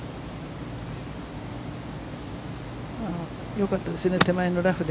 よかったですね、手前のラフで。